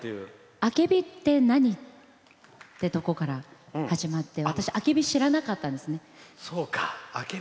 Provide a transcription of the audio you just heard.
あけびって何ってとこから始まってあけび知らなかったんですよ。